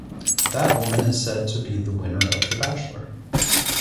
That woman is said to be the "winner" of The Bachelor.